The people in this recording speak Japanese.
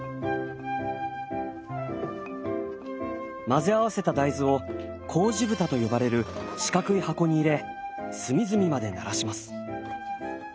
混ぜ合わせた大豆を麹ぶたと呼ばれる四角い箱に入れ隅々までならします。